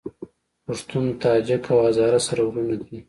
پښتون، تاجک او هزاره سره وروڼه دي